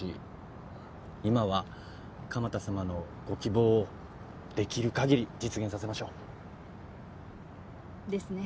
今は鎌田様のご希望をできる限り実現させましょう。ですね。